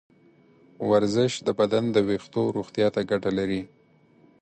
ورزش د بدن د ویښتو روغتیا ته ګټه لري.